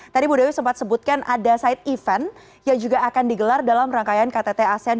tadi bu dewi sempat sebutkan ada side event yang juga akan digelar dalam rangkaian ktt asean dua ribu dua puluh tiga